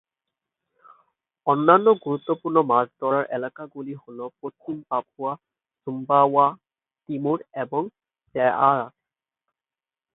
অন্যান্য গুরুত্বপূর্ণ মাছ ধরার এলাকাগুলি হল পশ্চিম পাপুয়া, সুম্বাওয়া, তিমুর এবং সেলায়ার।